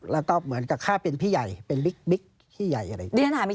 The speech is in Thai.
แล้วก็เหมือนกับข้าเป็นพี่ใหญ่เป็นบิ๊กพี่ใหญ่อะไรอย่างนี้